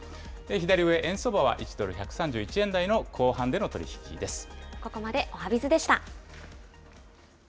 左上、円相場は１ドル１３１円台ここまでおはＢｉｚでした。